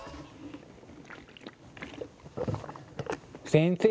先生